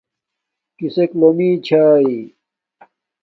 کسک لومی چھاݵ